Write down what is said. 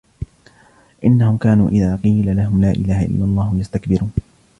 إنهم كانوا إذا قيل لهم لا إله إلا الله يستكبرون